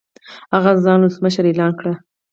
هغه ځان ولسمشر اعلان کړ.